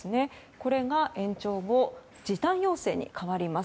これが延長後時短要請に変わります。